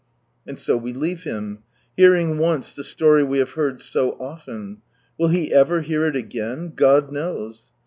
And so we leave him— hearing once the story we have heard so often. Will he ever hear it again? God knows.